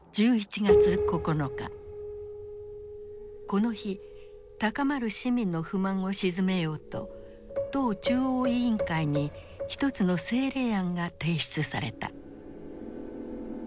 この日高まる市民の不満を鎮めようと党中央委員会に一つの政令案が提出された。